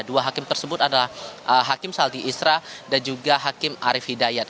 dua hakim tersebut adalah hakim saldi isra dan juga hakim arief hidayat